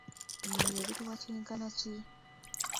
Ennyonyi ezitowa kyenka ki?